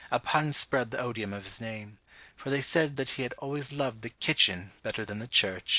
A pun spread the odium of his name; for they said that he had always loved the Kitchen better than the Church!